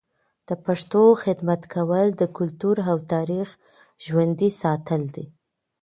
د پښتو خدمت کول د کلتور او تاریخ ژوندي ساتل دي.